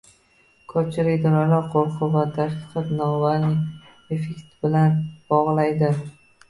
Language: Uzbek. Ko'pchilik dronlar qo'rquv va taqiqni Navalniy effekti bilan bog'laydi